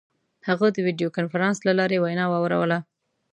هغه د ویډیو کنفرانس له لارې وینا واوروله.